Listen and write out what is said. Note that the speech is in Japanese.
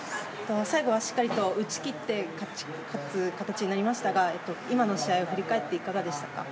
最後はしっかりと打ち切って勝つ形になりましたが今の試合を振り返っていかがでしたか？